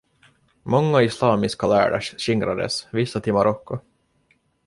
Många islamiska lärda skingrades, vissa till Marocko.